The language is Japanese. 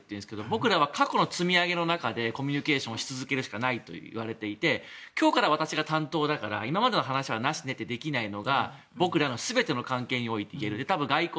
僕らは過去の積み上げの中でコミュニケーションをし続けるしかないといわれていて今日から私が担当だから今までの話はなしねってできないのが僕らの全ての関係においていえる。